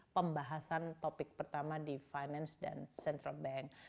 pembahasan topik pertama di finance dan central bank